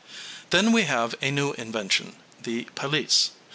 }] Then we have a new invention, the pelisse.